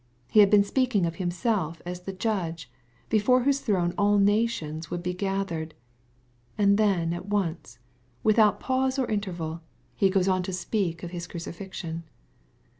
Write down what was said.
He had been speaking of Himself as the Judge, before whose throne all nations would be gathered. And then at once, without pause or interval. He goes on to speak MATTHEW, CHAP. XXVI. 347 of Bis crucifixion.